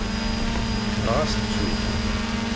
Ɣas ttu.